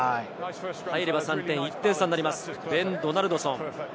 入れば３点、１点差になります、ベン・ドナルドソン。